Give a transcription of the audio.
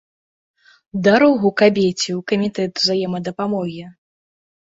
Дарогу кабеце ў камітэт узаемадапамогі!